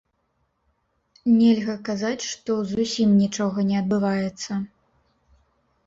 Нельга казаць, што зусім нічога не адбываецца.